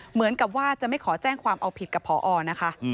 เหมือนกับว่าจะไม่ขอแจ้งความเอาผิดกับพอนะคะ